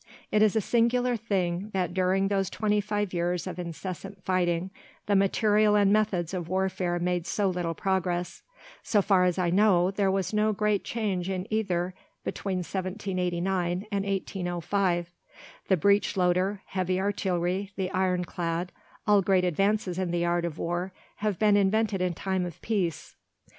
It is a singular thing that during those twenty five years of incessant fighting the material and methods of warfare made so little progress. So far as I know, there was no great change in either between 1789 and 1805. The breech loader, heavy artillery, the ironclad, all great advances in the art of war, have been invented in time of peace.